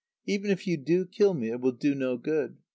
Even if you do kill me, it will do no good.